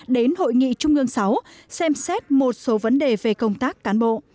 đến hội nghị trung ương sáu xem xét một số vấn đề về công tác cán bộ